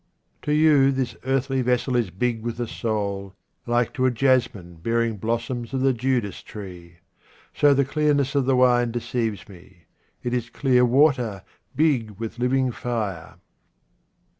To you this earthly vessel is big with a soul, like to a jasmin bearing blossoms of the Judas 72 QUATRAINS OF OMAR KHAYYAM tree. So the clearness of the wine deceives me — it is clear water, big with living lire.